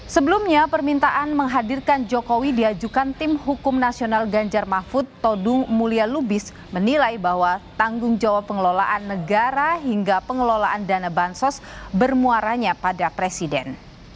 sebelumnya permintaan menghadirkan jokowi diajukan tim hukum nasional ganjar mahfud todung mulia lubis menilai bahwa tanggung jawab pengelolaan negara hingga pengelolaan dana bansos bermuaranya pada presiden